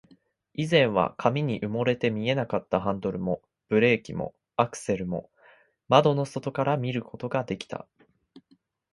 以前は紙に埋もれて見えなかったハンドルも、ブレーキも、アクセルも、窓の外から見ることができた